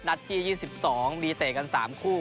ที่๒๒มีเตะกัน๓คู่